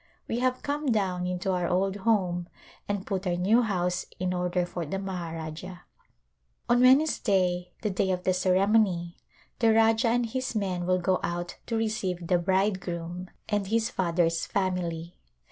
We have come down into our old home and put our new house in order for the Maharajah. On Wednesday, the day of the ceremony, the Rajah and his men will go out to receive the bridegroom and A Glimpse of India his father's family.